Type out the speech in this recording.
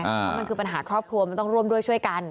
เพราะมันคือปัญหาครอบครัวมันต้องร่วมด้วยช่วยกัน